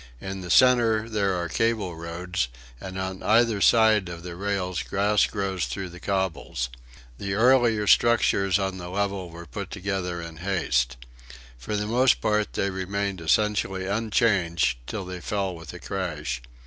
In the centre there are cable roads, and on either side of the rails grass grows through the cobbles. The earlier structures on the level were put together in haste. For the most part they remained essentially unchanged until they fell with a crash.